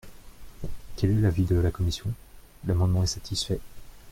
Quel est l’avis de la commission ? L’amendement est satisfait.